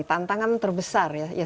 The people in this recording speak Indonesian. tantangan terbesar ya